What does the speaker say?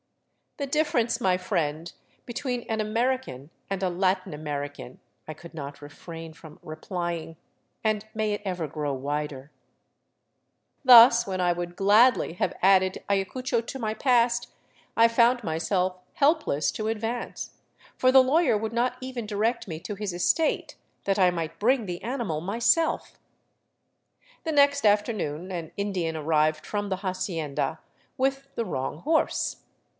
'*" The difference, my friend, between an American and a Latin American/' I could not refrain from replying, " and may it ever grow wider/' Thus, when I would gladly have added Ayacucho to my past, I found myself helpless to advance, for the lawyer would not even direct me to his estate, that I might bring the animal myself. The next after noon an Indian arrived from the hacienda — with the wrong horse.